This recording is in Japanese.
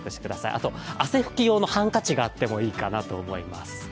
あと、汗ふき用のハンカチがあってもいいかなと思います。